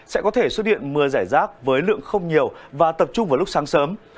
sẽ có thể xuất hiện mưa rải rác với lượng không nhiều và tập trung vào lúc sáng sớm